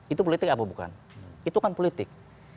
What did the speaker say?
itu politik apa bukan itu kan politik